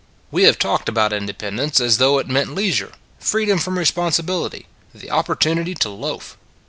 We have talked about independence as though it meant leisure, freedom from responsibility, the opportunity to loaf.